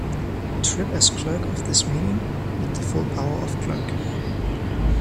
Tripp as clerk of this meeting with the full power of clerk.